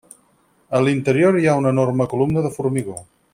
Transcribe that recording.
A l'interior hi ha una enorme columna de formigó.